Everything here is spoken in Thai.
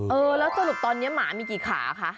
เออแล้วสรุปตอนนี้หมามีกี่ขาคะ